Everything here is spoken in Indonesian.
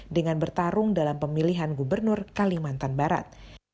dengan bertarung dalam pemilihan gubernur kalimantan barat